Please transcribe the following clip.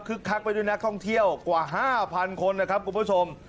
คักไปด้วยนักท่องเที่ยวกว่า๕๐๐คนนะครับคุณผู้ชม